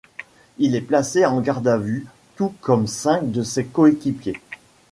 Il est placé en garde à vue, tout comme cinq de ses coéquipiers.